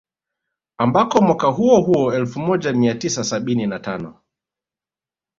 Ambako mwaka huo huo elfu moja mia tisa sabini na tano